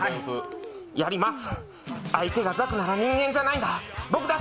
やります、相手がザクなら人間じゃないんだ。